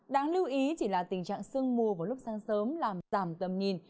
đáng lưu ý chỉ là tình trạng sương mù vào lúc sáng sớm làm giảm tầm nhìn